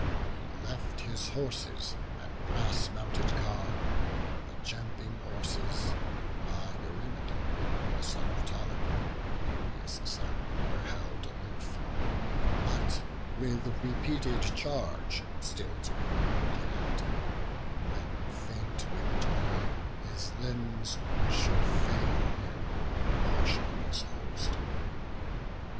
He left his horses and brass mounted car (The champing horses by Eurymedon, The son of Ptolemy, Peiraeus' son, Were held aloof), but with repeated charge Still to be near at hand, when faint with toil His limbs should fail him marshalling his host.